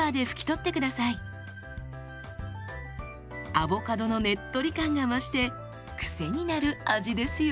アボカドのネットリ感が増して癖になる味ですよ。